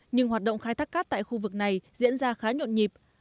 nhưng hoạt động khai thác cát tại khu vực này diễn ra khá nhộn nhịp